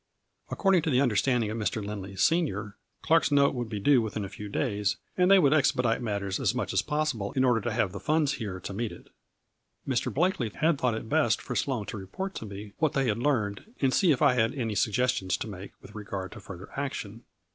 According to the understanding of Mr. Lind ley, senior, Clark's note would be due within a 186 A FL XTRR T IN DIAMONDS . few days, and they would expedite matters as much as possible in order to have the funds here to meet it. Mr. Blakely had thought it best for Sloane to report to me what they had learned, and see if I had any suggestions to make with regard to further action.